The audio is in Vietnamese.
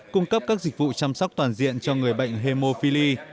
cung cấp các dịch vụ chăm sóc toàn diện cho người bệnh hemophili